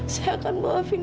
saya akan mengalami